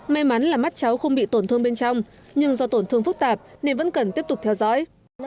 may mắn là mắt cháu không bị tổn thương bên trong nhưng do tổn thương phức tạp nên vẫn cần tiếp tục theo dõi